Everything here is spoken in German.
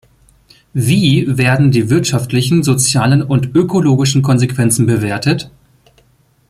Wie werden die wirtschaftlichen, sozialen und ökologischen Konsequenzen bewertet?